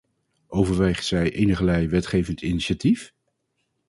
Overweegt zij enigerlei wetgevend initiatief?